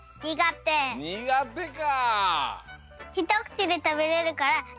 にがてかあ。